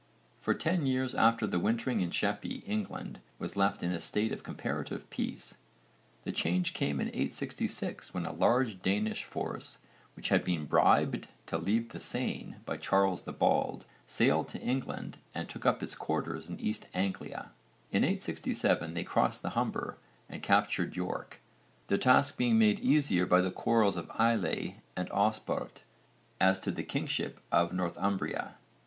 For ten years after the wintering in Sheppey, England was left in a state of comparative peace. The change came in 866 when a large Danish force which had been bribed to leave the Seine by Charles the Bald sailed to England and took up its quarters in East Anglia. In 867 they crossed the Humber and captured York, their task being made easier by the quarrels of Aelle and Osberht as to the kingship of Northumbria.